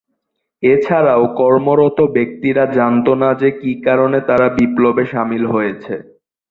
এছাড়াও কর্মরত ব্যক্তিরা জানতো না যে কি কারণে তারা বিপ্লবে সামিল হয়েছে।